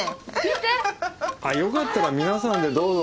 あっよかったら皆さんでどうぞ。